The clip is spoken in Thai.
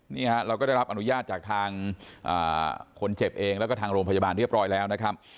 เราก็ได้รับอนุญาตจากทางคนเจ็บเองแล้วก็ทางโรงพยาบาลเรียบร้อยแล้วนะครับ